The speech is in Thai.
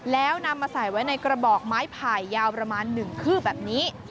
แล้วนำมาใส่ไว้ในกระบอกไม้ไผ่ยาวประมาณ๑คืบแบบนี้